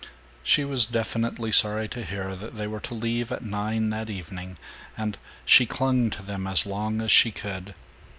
She was definitely sorry to hear that they were to leave at nine that evening, and she clung to them as long as she could.